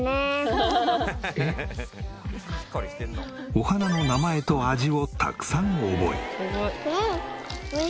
お花の名前と味をたくさん覚え。